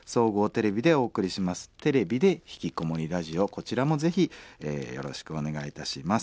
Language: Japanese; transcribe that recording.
こちらもぜひよろしくお願いいたします。